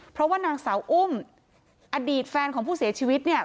เพราะว่านางสาวอุ้มอดีตแฟนของผู้เสียชีวิตเนี่ย